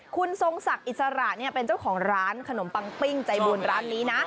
คุณทรงศักดิ์อิสระเป็นเจ้าของร้านขนมปังปิ้งใจบุญร้านนี้นะ